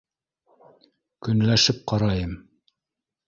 Көнләшеп ҡарайым